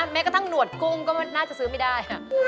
แม้กระทั่งหนวดกุ้งก็น่าจะซื้อไม่ได้